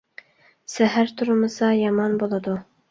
سەھەر تۇرمىسا يامان بولىدۇ.